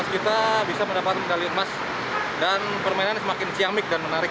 kita bisa mendapat medali emas dan permainan semakin ciamik dan menarik